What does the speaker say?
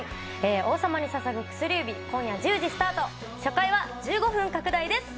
「王様に捧ぐ薬指」、今夜１０時スタート、初回は１５分拡大です。